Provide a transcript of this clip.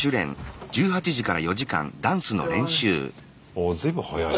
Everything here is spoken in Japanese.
おお随分早いね。